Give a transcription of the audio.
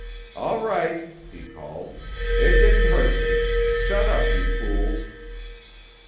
"All right!" he called. "It didn't hurt me. Shut up, you fools."